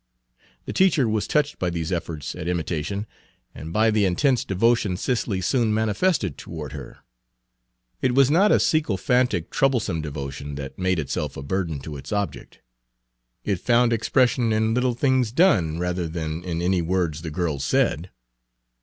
The teacher was touched by these efforts at imitation, and by the intense devotion Cicely soon manifested toward her. It was not a sycophantic, troublesome devotion, that made itself a burden to its object. It found expression in little things done rather than in any words the girl said.